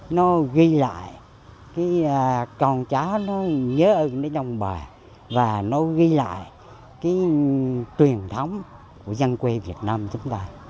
nó ghi lại cái con trá nó nhớ ơn nơi trong bờ và nó ghi lại cái truyền thống của dân quê việt nam chúng ta